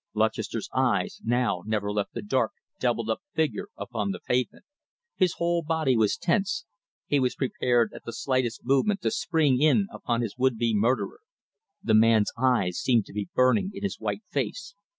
Lutchester's eyes now never left the dark, doubled up figure upon the pavement. His whole body was tense. He was prepared at the slightest movement to spring in upon his would be murderer. The man's eyes seemed to be burning in his white face.